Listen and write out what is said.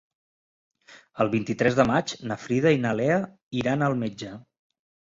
El vint-i-tres de maig na Frida i na Lea iran al metge.